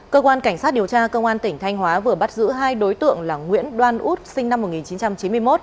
cơ quan cảnh sát điều tra công an tỉnh thanh hóa vừa bắt giữ hai đối tượng là nguyễn đoan út sinh năm một nghìn chín trăm chín mươi một